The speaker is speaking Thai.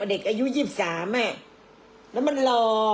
เด็กอายุ๒๓แล้วมันรอ